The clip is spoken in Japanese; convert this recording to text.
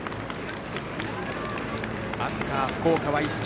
アンカー、福岡は逸木。